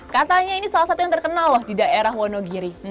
katanya ini salah satu yang terkenal loh di daerah wonogiri